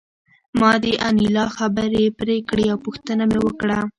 ما د انیلا خبرې پرې کړې او پوښتنه مې وکړه